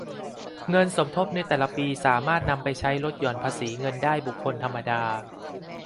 เงินสมทบในแต่ละปีสามารถนำไปใช้ลดหย่อนภาษีเงินได้บุคคลธรรมดา